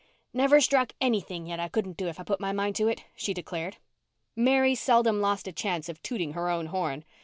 "Never struck anything yet I couldn't do if I put my mind to it," she declared. Mary seldom lost a chance of tooting her own horn.